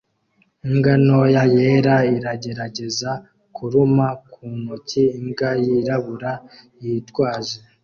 Imbwa ntoya yera iragerageza kuruma ku nkoni imbwa yirabura yitwaje